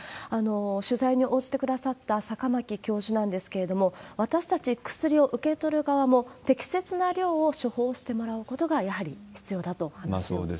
取材に応じてくださった坂巻教授なんですけれども、私たち、薬を受け取る側も、適切な量を処方してもらうことがやはり必要だと話をされています。